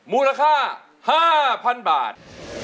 มูลค่า๕๐๐๐บาท